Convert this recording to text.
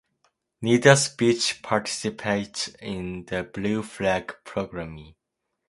Nida's beach participates in the Blue Flag Programme.